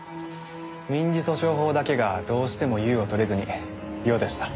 民事訴訟法だけがどうしても「優」を取れずに「良」でした。